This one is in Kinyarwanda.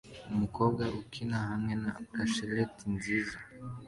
Umukobwa ukina hamwe na bracelet nziza